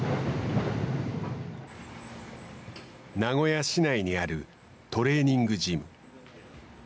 名古屋市内にあるトレーニングジム。